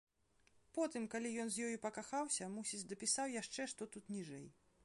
Потым, калі ён з ёю пакахаўся, мусіць, дапісаў яшчэ, што тут ніжэй.